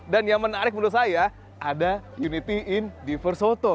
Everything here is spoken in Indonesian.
dan yang menarik menurut saya ada unity inn diver soto